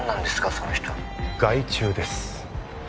その人害虫です